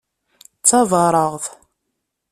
D tabareɣt.